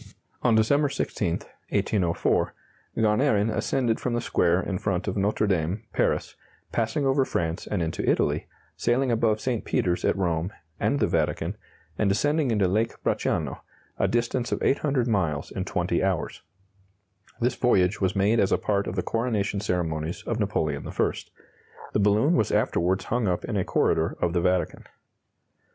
On December 16, 1804, Garnerin ascended from the square in front of Notre Dame, Paris; passing over France and into Italy, sailing above St. Peter's at Rome, and the Vatican, and descending into Lake Bracciano a distance of 800 miles in 20 hours. This voyage was made as a part of the coronation ceremonies of Napoleon I. The balloon was afterwards hung up in a corridor of the Vatican.